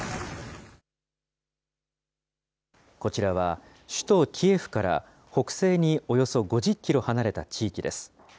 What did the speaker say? こちらは、首都キエフから北西におよそ５０キロ離れた地域です。